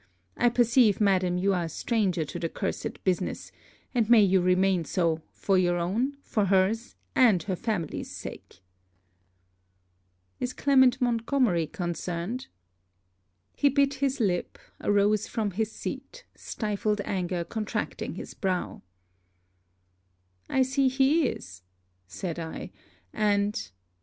'I perceive madam, you are a stranger to the cursed business; and may you remain so, for your own, for her's, and her family's sake.' 'Is Clement Montgomery concerned?' He bit his lip, arose from his seat, stifled anger contracting his brow. 'I see he is,' said I 'and